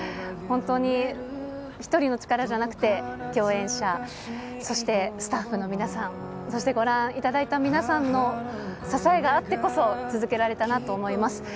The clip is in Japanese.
本当に一人の力じゃなくて、共演者、そしてスタッフの皆さん、そしてご覧いただいた皆さんの支えがあってこそ、続けられたなと思います。